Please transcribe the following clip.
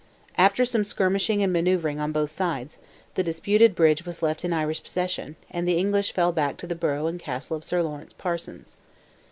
After some skirmishing and manoeuvring on both sides, the disputed bridge was left in Irish possession, and the English fell back to the borough and castle of Sir Lawrence Parsons.